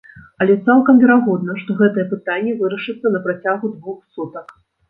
Але цалкам верагодна, што гэтае пытанне вырашыцца на працягу двух сутак.